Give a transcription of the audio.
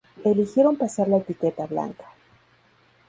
Eligieron pasar la etiqueta blanca.